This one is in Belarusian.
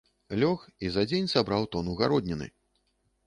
Лёг і за дзень сабраў тону гародніны!